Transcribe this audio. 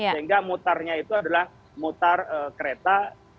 sehingga mutarnya itu adalah mutar kereta